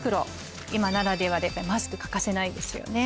今ならではでマスク欠かせないですよね。